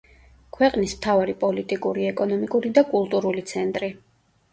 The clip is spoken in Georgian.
ქვეყნის მთავარი პოლიტიკური, ეკონომიკური და კულტურული ცენტრი.